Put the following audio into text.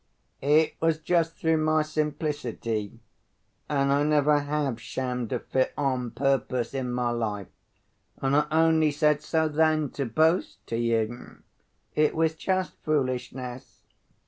"It was just through my simplicity, and I never have shammed a fit on purpose in my life. And I only said so then to boast to you. It was just foolishness.